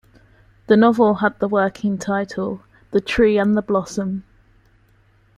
The novel had the working title "The Tree and the Blossom".